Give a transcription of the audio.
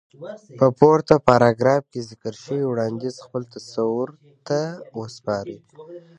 په پورته پاراګراف کې ذکر شوی وړانديز خپل تصور ته وسپارئ.